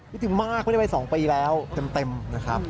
นี่ถึงมากไม่ได้ไปสองปีแล้วเต็มนะครับ